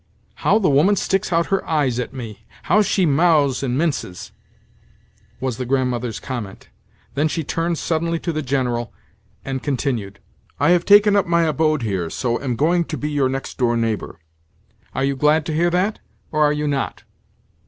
"How the woman sticks out her eyes at me! How she mows and minces!" was the Grandmother's comment. Then she turned suddenly to the General, and continued: "I have taken up my abode here, so am going to be your next door neighbour. Are you glad to hear that, or are you not?"